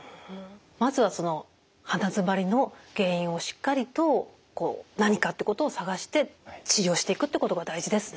まずはその鼻づまりの原因をしっかりと何かってことを探して治療していくってことが大事ですね。